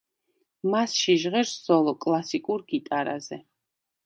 მასში ჟღერს სოლო კლასიკურ გიტარაზე.